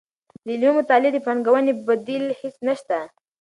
د علمي مطالعې د پانګوونې بدیل هیڅ نشته.